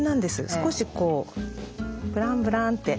少しこうブランブランて。